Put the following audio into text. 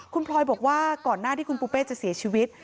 คุณพลอยบอกว่าก่อนหน้าที่คุณปูเป้จะเสียชีวิต